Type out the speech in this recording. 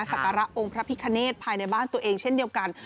ศักระองค์พระพิคเนธภายในบ้านตัวเองเช่นเดียวกัน